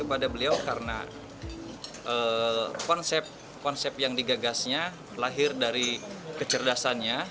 kepada beliau karena konsep konsep yang digagasnya lahir dari kecerdasannya